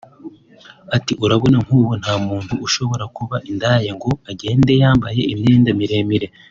Ati″Urabona nk’ubu nta muntu ushobora kuba indaya ngo agende yambaye imyenda miremire